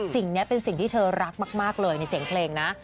สิ่งนี้เป็นสิ่งที่เธอรักมากเลยในเสียงเพลงนะ